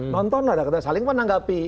nonton lah ada yang saling menanggapi